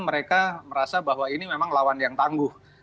mereka merasa bahwa ini memang lawan yang tangguh